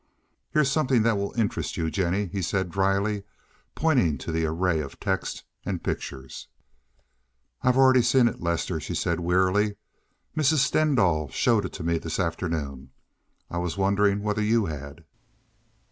"Here's something that will interest you, Jennie," he said dryly, pointing to the array of text and pictures. "I've already seen it, Lester," she said wearily. "Mrs. Stendahl showed it to me this afternoon. I was wondering whether you had."